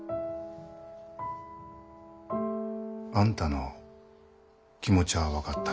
あんたの気持ちゃあ分かった。